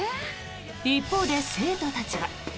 一方で生徒たちは。